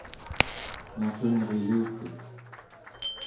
nallunrilutet